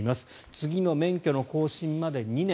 次の免許の更新まで２年。